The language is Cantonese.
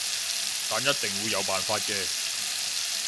但一定會有方法嘅